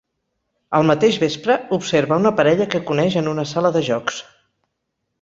El mateix vespre, observa una parella que coneix en una sala de jocs.